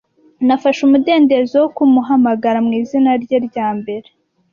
Nafashe umudendezo wo kumuhamagara mwizina rye rya mbere.